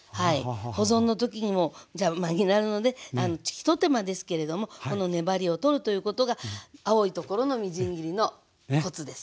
保存の時にも邪魔になるので一手間ですけれどもこの粘りを取るということが青いところのみじん切りのコツです。